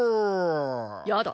やだ。